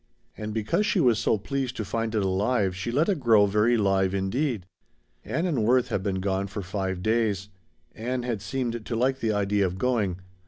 And because she was so pleased to find it alive she let it grow very live indeed. Ann and Worth had been gone for five days. Ann had seemed to like the idea of going.